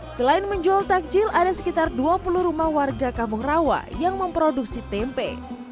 selain menjual takjil ada sekitar dua puluh rumah warga kampung rawa yang memproduksi tempe